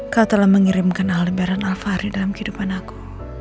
kau telah mengirimkan alibaran al fahri dalam kehidupan aku